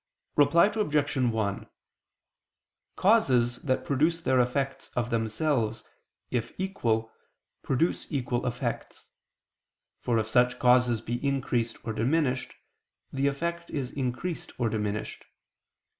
Reply Obj. 1: Causes that produce their effects of themselves, if equal, produce equal effects: for if such causes be increased or diminished, the effect is increased or diminished.